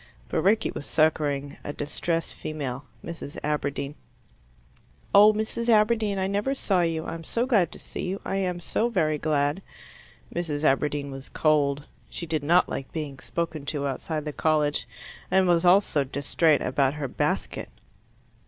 But Rickie was succouring a distressed female Mrs. Aberdeen. "Oh, Mrs. Aberdeen, I never saw you: I am so glad to see you I am so very glad." Mrs. Aberdeen was cold. She did not like being spoken to outside the college, and was also distrait about her basket.